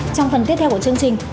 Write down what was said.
trong phần tiếp theo của chương trình